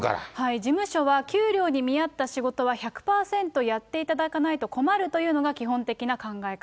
事務所は給料に見合ったしごとは１００％やっていただかないと困るというのが基本的な考え方。